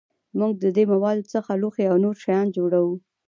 موږ د دې موادو څخه لوښي او نور شیان جوړوو.